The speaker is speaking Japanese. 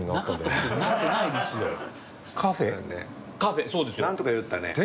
カフェ？